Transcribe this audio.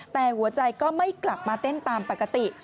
แต่หัวใจก็ไม่กลับมาเต้นตามปกติ